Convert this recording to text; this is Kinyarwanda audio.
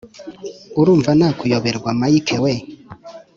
urumva nakuyoberwa mike we?"